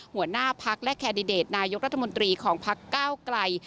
หัวหน้าพักและแคนดิเดตนายกรัฐมนตรีของพักก้าวไกล